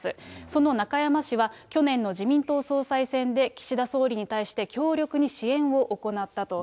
その中山氏は、去年の自民党総裁選で、岸田総理に対して強力に支援を行ったと。